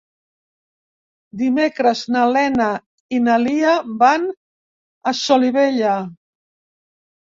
Dimecres na Lena i na Lia van a Solivella.